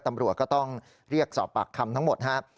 ตำรวจก็ต้องเรียกสอบปากคำทั้งหมดนะครับ